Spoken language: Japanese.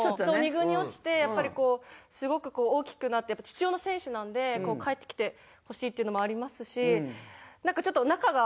２軍に落ちてやっぱりすごく大きくなってやっぱり必要な選手なんで帰ってきてほしいっていうのもありますしなんかちょっと仲が。